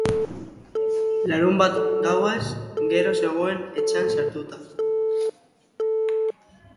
Larunbat gauaz gero zegoen etxean sartuta.